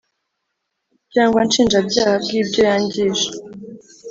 cyangwa nshinjabyaha bw ibyo yangije